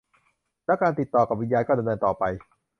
แล้วการติดต่อกับวิญญานก็ดำเนินต่อไป